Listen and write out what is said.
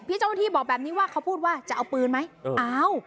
เจ้าหน้าที่บอกแบบนี้ว่าเขาพูดว่าจะเอาปืนไหมเอา